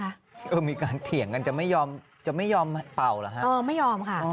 ปรากฏว่าคือจริงเขาก็จะเรียกว่าคือตรวจปัสสาวะค่ะคุณพิธรมคะ